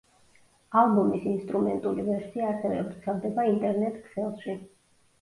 ალბომის ინსტრუმენტული ვერსია ასევე ვრცელდება ინტერნეტ-ქსელში.